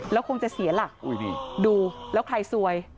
แล้วคงจะเสียหลักดูแล้วใครซวย